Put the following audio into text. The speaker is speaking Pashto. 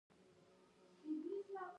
مصنوعي ځیرکتیا د رسنیز تولید بهیر بدلوي.